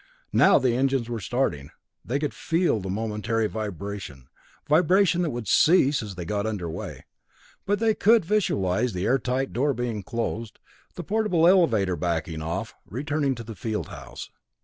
Now the engines were starting they could feel the momentary vibration vibration that would cease as they got under way. They could visualize the airtight door being closed; the portable elevator backing off, returning to the field house.